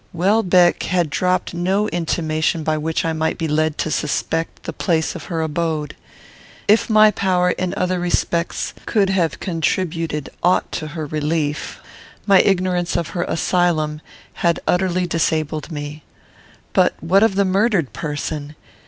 Welbeck had dropped no intimation by which I might be led to suspect the place of her abode. If my power, in other respects, could have contributed aught to her relief, my ignorance of her asylum had utterly disabled me. But what of the murdered person?